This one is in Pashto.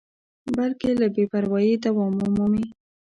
بلکې که بې پروایي دوام ومومي.